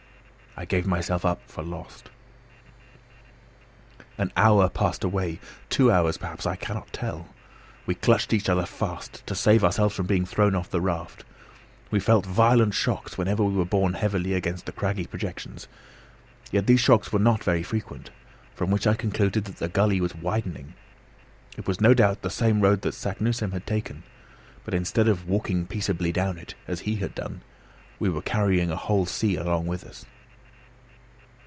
I gave myself up for lost. An hour passed away two hours, perhaps I cannot tell. We clutched each other fast, to save ourselves from being thrown off the raft. We felt violent shocks whenever we were borne heavily against the craggy projections. Yet these shocks were not very frequent, from which I concluded that the gully was widening. It was no doubt the same road that Saknussemm had taken; but instead of walking peaceably down it, as he had done, we were carrying a whole sea along with us.